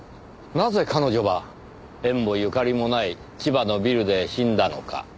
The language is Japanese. なぜ彼女は縁もゆかりもない千葉のビルで死んだのか。